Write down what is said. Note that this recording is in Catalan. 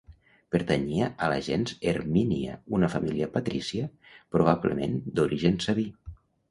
Pertanyia a la gens Hermínia, una família patrícia probablement d'origen sabí.